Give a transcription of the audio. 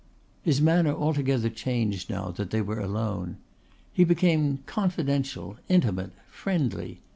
His manner altogether changed now that they were alone. He became confidential, intimate, friendly.